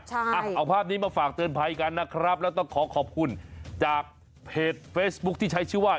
เอาภาพนี้มาฝากเตือนภัยกันนะครับแล้วต้องขอขอบคุณจากเพจเฟซบุ๊คที่ใช้ชื่อว่า